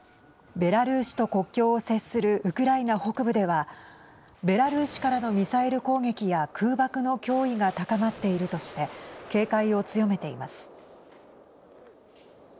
ベラルーシと国境を接するウクライナ北部ではベラルーシからのミサイル攻撃や空爆の脅威が高まっているとして警戒を強めています。